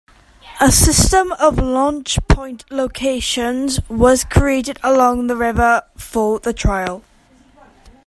A system of launch point locations was created along the river for the trail.